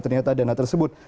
ternyata dana tersebut